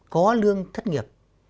có lương thất nghiệp